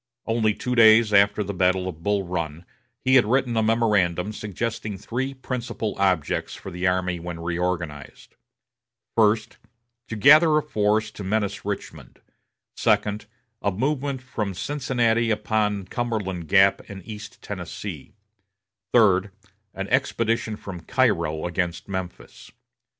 Only two days after the battle of Bull Run, he had written a memorandum suggesting three principal objects for the army when reorganized: First, to gather a force to menace Richmond; second, a movement from Cincinnati upon Cumberland Gap and East Tennessee; third, an expedition from Cairo against Memphis.